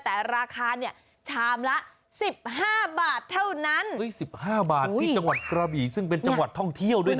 แต่ราคาเนี่ยชามละ๑๕บาทเท่านั้น๑๕บาทที่จังหวัดกระบี่ซึ่งเป็นจังหวัดท่องเที่ยวด้วยนะ